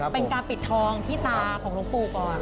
เป็นการปิดทองที่ตาของหลวงปู่ก่อน